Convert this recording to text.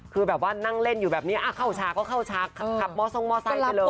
คือแบบว่านั่งเล่นอยู่แบบนี้เข้าชาก็เข้าชากขับมอทรงมอไซค์ไปเลย